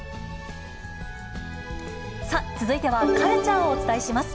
さあ、続いてはカルチャーをお伝えします。